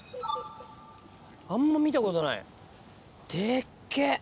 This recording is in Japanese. あんま見たことないデッケェ！